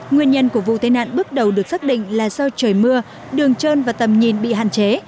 nguyên nhân của vụ tai nạn bước đầu được xác định là do trời mưa đường trơn và tầm nhìn bị hạn chế